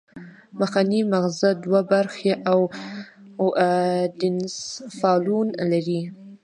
مخنی مغزه دوه برخې او ډاینسفالون لري